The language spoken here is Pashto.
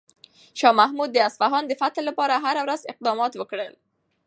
شاه محمود د اصفهان د فتح لپاره هره ورځ اقدامات وکړل.